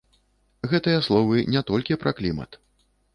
Гэтыя словы не толькі пра клімат.